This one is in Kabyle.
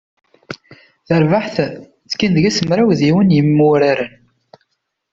Tarbaɛt, tekkin deg-s mraw d yiwen n yimwuraren.